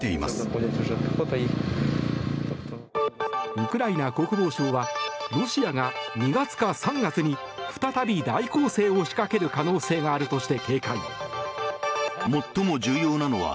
ウクライナ国防省はロシアが２月か３月に再び大攻勢を仕掛ける可能性があるとして警戒。